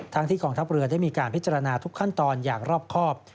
ที่กองทัพเรือได้มีการพิจารณาทุกขั้นตอนอย่างรอบครอบ